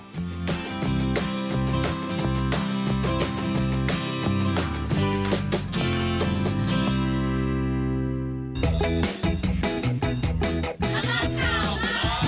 สวัสดีครับ